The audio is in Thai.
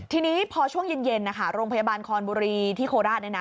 ทีนี้พอช่วงเย็นโรงพยาบาลคอนบุรีที่โคราช